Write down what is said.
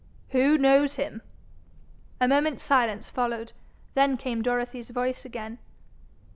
'Who knows him?' A moment's silence followed. Then came Dorothy's voice again.